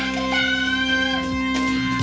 นะคะ